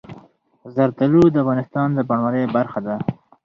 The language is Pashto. زردالو د افغانستان د بڼوالۍ برخه ده.